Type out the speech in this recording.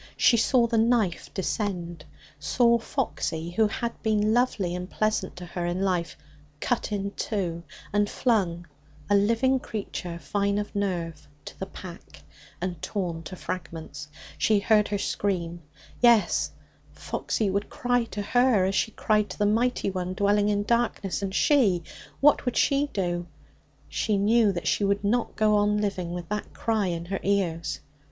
She saw the knife descend saw Foxy, who had been lovely and pleasant to her in life, cut in two and flung (a living creature, fine of nerve) to the pack, and torn to fragments. She heard her scream. Yes; Foxy would cry to her, as she had cried to the Mighty One dwelling in darkness. And she? What would she do? She knew that she could not go on living with that cry in her ears.